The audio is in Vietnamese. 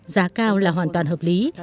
giá cao là hoàn toàn hợp lý